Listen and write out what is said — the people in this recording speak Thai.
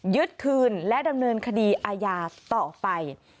ยึดคืนและดำเนินคดีอาญาต่อไป